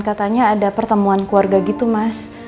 katanya ada pertemuan keluarga gitu mas